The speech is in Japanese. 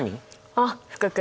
あっ福君！